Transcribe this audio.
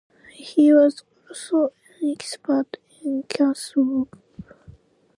He was also an expert on cattle, purebred dogs, horse breeding, fishing and hunting.